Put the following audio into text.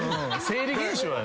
生理現象や。